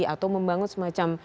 atau membangun semacam